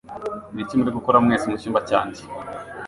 Niki muri gukora mwese mucyumba cyanjye